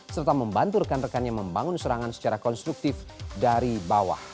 serta membantu rekan rekannya membangun serangan secara konstruktif dari bawah